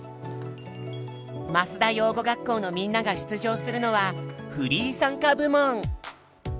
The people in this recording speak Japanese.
益田養護学校のみんなが出場するのは「フリー参加」部門！